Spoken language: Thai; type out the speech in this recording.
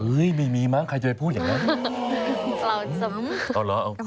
ไม่มีมั้งใครจะไปพูดอย่างนั้น